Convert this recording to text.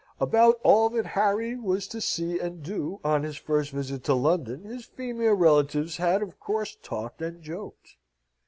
About all that Harry was to see and do on his first visit to London, his female relatives had of course talked and joked.